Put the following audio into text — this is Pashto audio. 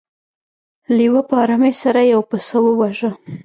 لیوه په ارامۍ سره یو پسه وواژه.